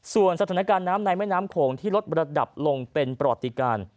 ส่วนสถานการณ์น้ำในแม่น้ำโขงที่ลดระดับลงเป็นประวัติการ